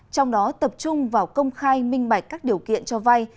trong đó tập trung vào công khai minh bạch các điều kiện cho vay